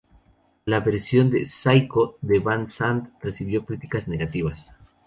La versión de "Psycho" de Van Sant recibió criticas negativas.